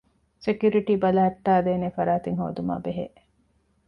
ސެކިއުރިޓީ ބަލައްޓައިދޭނެ ފަރާތެއް ހޯދުމާއި ބެހޭ